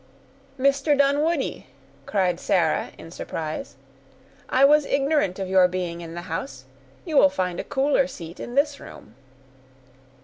"Mr. Dunwoodie!" cried Sarah, in surprise; "I was ignorant of your being in the house; you will find a cooler seat in this room."